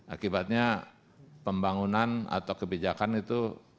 akibatnya pembangunan atau kebijakan itu